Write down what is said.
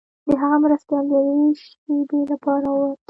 د هغه مرستیال د یوې شیبې لپاره ووت.